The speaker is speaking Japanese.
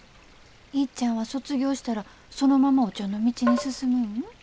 いっちゃんは卒業したらそのままお茶の道に進むん？